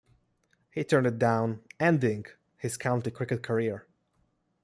He turned it down, ending his county cricket career.